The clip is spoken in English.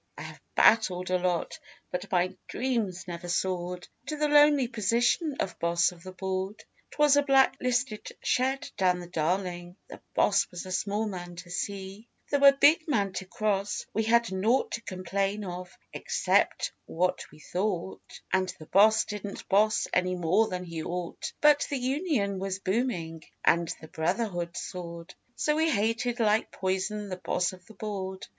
I have battled a lot, But my dream's never soared To the lonely position of Boss of the board. 'Twas a black listed shed down the Darling: the Boss Was a small man to see though a big man to cross We had nought to complain of except what we thought, And the Boss didn't boss any more than he ought; But the Union was booming, and Brotherhood soared, So we hated like poison the Boss of the board.